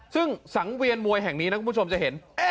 ซึ่งสังเวียนมวยแห่งนี้นะคุณผู้ชมจะเห็น